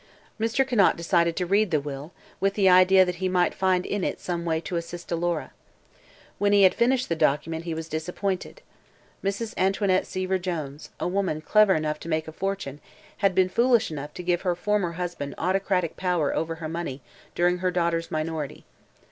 Mr. Conant decided to read the will, with the idea that he might find in it some way to assist Alora. When he had finished the document he was disappointed. Mrs. Antoinette Seaver Jones, a woman clever enough to make a fortune, had been foolish enough to give her former husband autocratic power over her money during her daughter's minority.